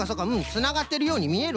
つながってるようにみえるな。